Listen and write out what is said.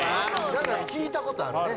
なんか聞いた事あるね。